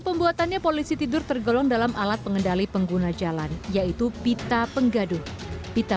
pembuatannya polisi tidur tergolong dalam alat pengendali pengguna jalan yaitu pita penggaduh pita